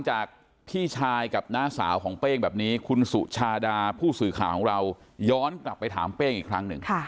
จากพี่ชายกับน้าสาวของเป้งแบบนี้คุณสุชาดาผู้สื่อข่าวของเราย้อนกลับไปถามเป้งอีกครั้งหนึ่ง